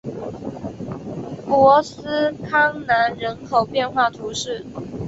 博斯康南人口变化图示